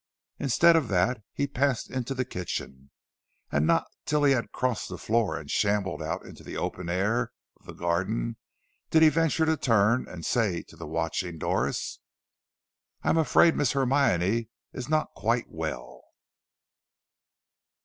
Instead of that he passed into the kitchen, and not till he had crossed the floor and shambled out into the open air of the garden did he venture to turn and say to the watching Doris: "I am afraid Miss Hermione is not quite well."